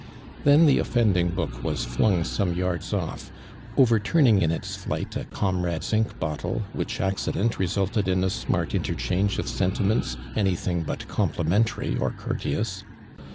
'' Then the offending book was flung some vards off, overturning in its flight a com rade'.s ink Ixittlc, whicii accident resulted in ii smart interchange of sentiments any thing but complimt ntary or courteous.